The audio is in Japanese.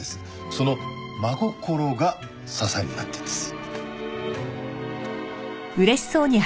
その真心が支えになってるんです。